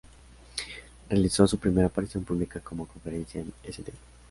Realizó su primera aparición pública como conferenciante en St.